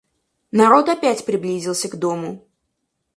Народ опять приблизился к дому.